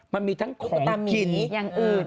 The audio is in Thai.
มันมีทั้งของกินอย่างอื่น